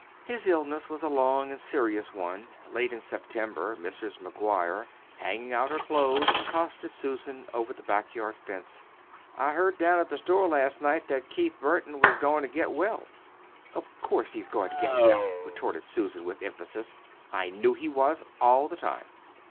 His illness was a long and serious one. Late in September, Mrs. McGuire, hanging out her clothes, accosted Susan over the back yard fence. "I heard down to the store last night that Keith Burton was goin' to get well." "Of course he's goin' to get well," retorted Susan with emphasis. "I knew he was, all the time."